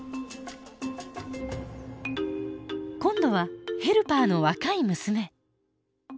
今度はヘルパーの若い娘。